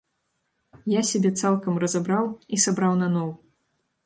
Я сябе цалкам разабраў і сабраў наноў.